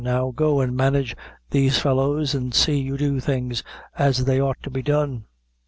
Now, go and manage these fellows, an' see you do things as they ought to be done."